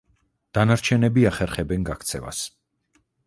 დანარჩენები ახერხებენ გაქცევას.